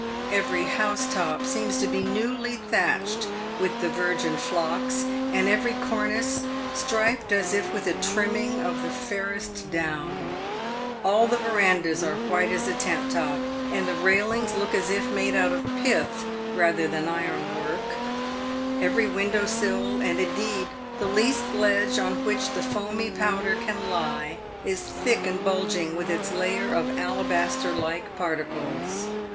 Every house top seems to be newly thatched with the virgin flocks, and every cornice striped as if with a trimming of the fairest down, All the verandahs are white as a tent top, and the railings look as if made out of pith rather than ironwork ; every window sill, and, indeed, the least ledge on which the foamy powder can lie, is thick and bulging with its layer of alabaster like particles.